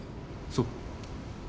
そう。